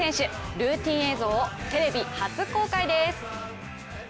ルーティーン映像をテレビ初公開です。